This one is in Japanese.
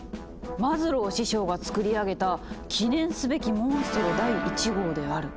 マズロー師匠がつくり上げた記念すべきモンストロ第１号である」。